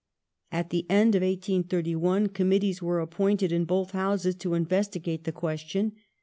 At the end of 1831 Committees were appointed in both Houses to investigate the question.